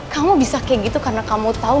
kamu bisa kayak gitu karena kamu tahu